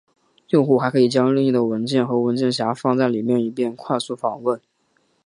用户还可以将任意的文件和文件夹放在里面以便快速访问。